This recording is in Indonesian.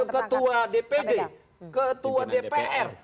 mahkamah agung wakil ketua dpd ketua dpr